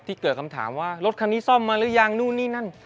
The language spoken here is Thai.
เกิดคำถามว่ารถคันนี้ซ่อมมาหรือยังนู่นนี่นั่น